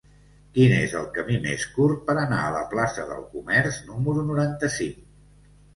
Quin és el camí més curt per anar a la plaça del Comerç número noranta-cinc?